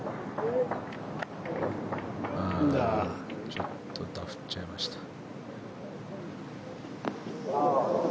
ちょっとダフっちゃいましたね。